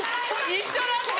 一緒だった。